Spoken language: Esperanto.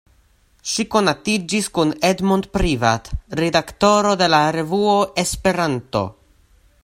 Ŝi konatiĝis kun Edmond Privat, redaktoro de la revuo "Esperanto".